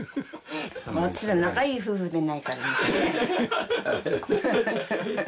私ら仲いい夫婦じゃないから。